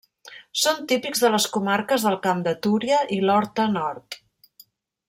Són típics de les comarques del Camp de Túria i l'Horta Nord.